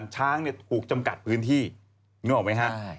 ช้างถูกจำกัดพื้นที่นึกออกไหมฮะ